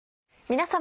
皆様。